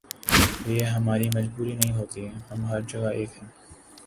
تو یہ ہماری مجبوری نہیں ہوتی، ہم ہر جگہ ایک ہیں۔